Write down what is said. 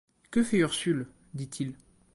Que fait Ursule ? dit-il.